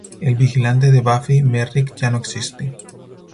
El vigilante de Buffy, Merrick, ya no existe.